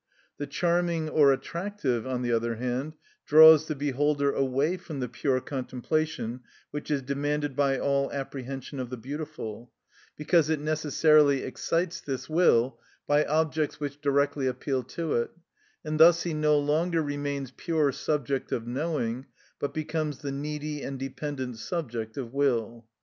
The charming or attractive, on the contrary, draws the beholder away from the pure contemplation which is demanded by all apprehension of the beautiful, because it necessarily excites this will, by objects which directly appeal to it, and thus he no longer remains pure subject of knowing, but becomes the needy and dependent subject of will.